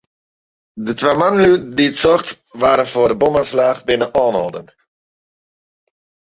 De twa manlju dy't socht waarden foar de bomoanslach, binne oanholden.